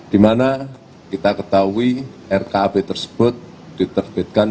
dimana kita ketahui rkab tersebut diterbitkan